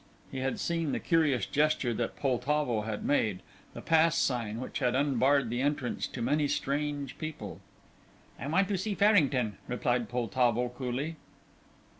He had seen the curious gesture that Poltavo had made the pass sign which had unbarred the entrance to many strange people. "I want to see Farrington!" replied Poltavo, coolly.